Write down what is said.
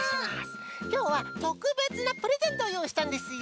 きょうはとくべつなプレゼントをよういしたんですよ。